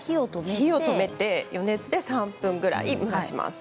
火を止めて余熱で３分くらい蒸らします。